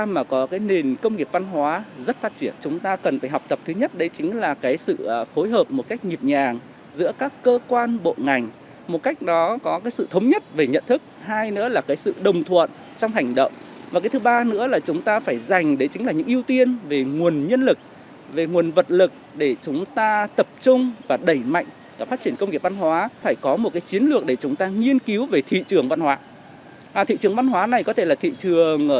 một nền công nghiệp văn hóa được xuất khẩu thành công không kém đó là nhật bản